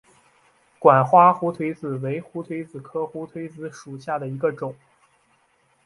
管花胡颓子为胡颓子科胡颓子属下的一个种。